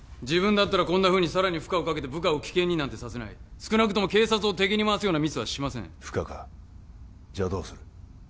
自分だったらこんなふうにさらに負荷をかけて部下を危険になんてさせない少なくとも警察を敵に回すようなミスはしません負荷かじゃあどうする？